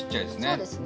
そうですね